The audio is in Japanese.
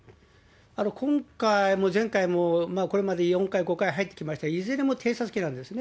今回も前回も、これまで４回、５回、入ってきました、いずれも偵察機なんですね。